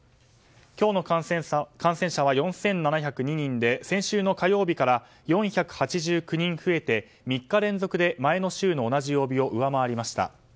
今日の感染者は４７０２人で先週の火曜日から４８９人増えて３日連続で前の週の同じ曜日を上回りました。